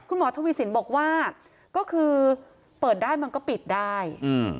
คุณหมอทวีสินบอกว่าก็คือเปิดได้มันก็ปิดได้อืม